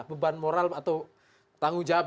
beban moral atau tanggung jawab